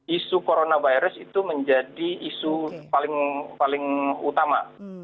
isu covid sembilan belas itu menjadi isu paling utama